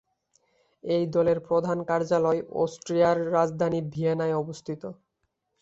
এই দলের প্রধান কার্যালয় অস্ট্রিয়ার রাজধানী ভিয়েনায় অবস্থিত।